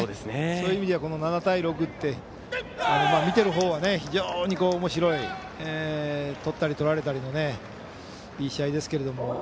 そういう意味では７対６って見てるほうは非常に、おもしろい取ったり取られたりのいい試合ですけれども。